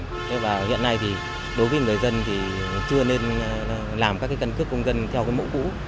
hiện nay đối với người dân thì chưa nên làm các căn cước công dân theo mẫu cũ